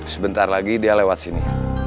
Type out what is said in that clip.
sebentar lagi dia lewat sini